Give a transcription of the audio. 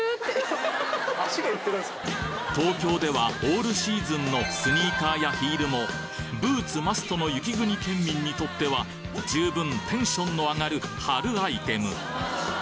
東京ではオールシーズンのスニーカーやヒールもブーツマストの雪国ケンミンにとっては十分テンションの上がる春アイテム